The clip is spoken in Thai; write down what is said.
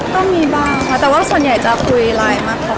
ก็มีบ้างค่ะแต่ว่าส่วนใหญ่จะคุยไลน์มากกว่า